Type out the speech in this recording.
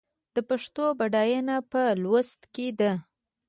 د پښتو بډاینه په لوست کې ده.